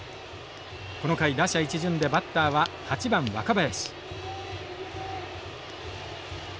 この回打者一巡でバッターは８番若林。